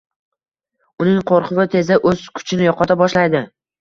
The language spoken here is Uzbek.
uning qo‘rquvi tezda o‘z kuchini yo‘qota boshlaydi.